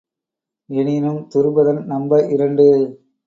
எனினும் துருபதன் நம்ப இரண்டு.